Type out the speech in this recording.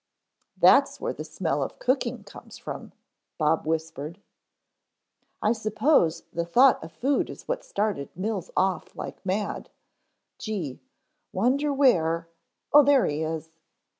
"That's where the smell of cooking comes from," Bob whispered. "I suppose the thought of food is what started Mills off like mad gee wonder where oh there he is."